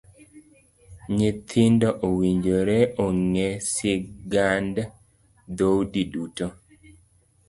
Nyithindo owinjore ong'e sigand dhoudi duto.